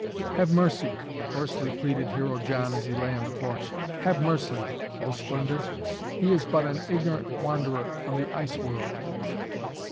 "Have mercy!" hoarsely pleaded Hero John as he lay on the floor. "Have mercy, oh Splendor! He is but an ignorant wanderer from the Ice World."